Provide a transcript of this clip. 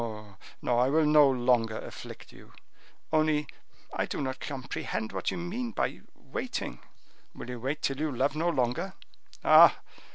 "No, I will no longer afflict you; only I do not comprehend what you mean by waiting. Will you wait till you love no longer?" "Ah!